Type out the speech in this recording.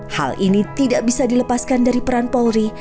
hal ini tidak bisa dilepaskan dari peran polri